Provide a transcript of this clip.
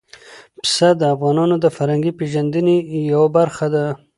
پسه د افغانانو د فرهنګي پیژندنې یوه برخه ده.